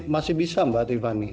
masih bisa mbak tiffany